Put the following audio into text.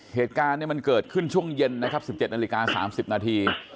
เหตุการณ์มันเกิดขึ้นช่วงเย็นนะครับ๑๗นาฬิกา๓๐นาที